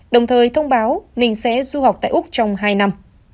đồng thời thông báo mình sẽ du học tại úc trong hai năm